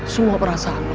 semua perasaan lo